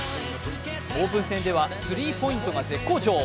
オープン戦では３ポイントが絶好調